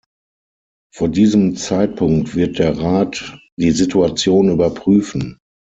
Vor diesem Zeitpunkt wird der Rat die Situation überprüfen.